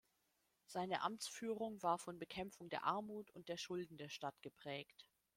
Seine Amtsführung war von Bekämpfung der Armut und der Schulden der Stadt geprägt.